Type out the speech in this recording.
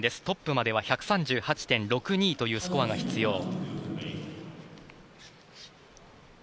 トップまでは１３８．６２というスコアが必要。